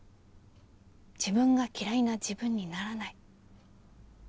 「自分が嫌いな自分にならない」。